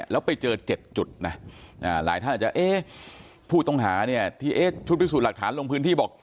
แล้วไปเจอ๗จุดนะหลายท่านอาจจะเอ๊ะผู้ต้องหาเนี่ยที่ชุดพิสูจน์หลักฐานลงพื้นที่บอก